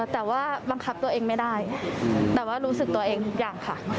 แต่ว่าบังคับตัวเองไม่ได้แต่ว่ารู้สึกตัวเองทุกอย่างค่ะ